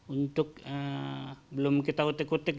untuk belum kita utik utik